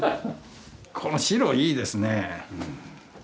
この白いいですね。